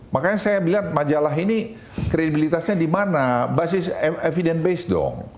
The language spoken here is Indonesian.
makanya saya bilang majalah ini kredibilitasnya di mana basis evident base dong